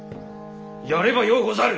やればようござる！